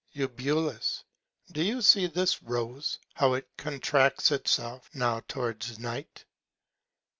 Eu. Do you see this Rose, how it contracts itself, now towards Night?